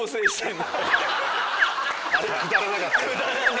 あれくだらなかったな。